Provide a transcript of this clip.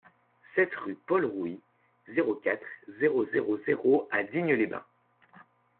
sept rue Paul Rouit, zéro quatre, zéro zéro zéro à Digne-les-Bains